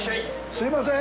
すいません。